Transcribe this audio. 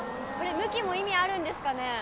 これ向きも意味あるんですかね？